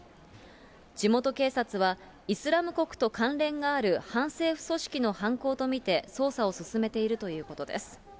地元警察は、イスラム国と関連がある反政府組織の犯行と見て、捜査を進めているということです。